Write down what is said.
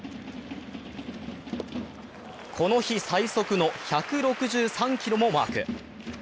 この日最速の１６３キロもマーク。